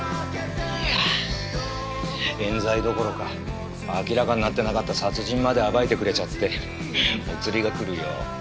いや冤罪どころか明らかになってなかった殺人まで暴いてくれちゃってお釣りがくるよ。